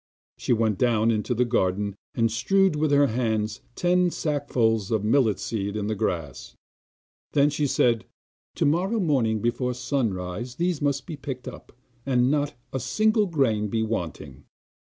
She went down into the garden and strewed with her own hands ten sacksful of millet seed on the grass; then she said: 'Tomorrow morning before sunrise these must be picked up, and not a single grain be wanting.